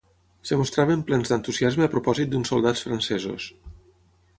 Es mostraven plens d'entusiasme a propòsit d'uns soldats francesos